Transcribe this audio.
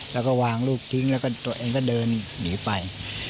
แล้วก็วางลูกทิ้งแล้วก็ตัวเองก็เดินหนีไป